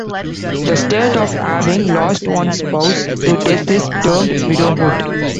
The state of having lost one's spouse to death is termed "widowhood".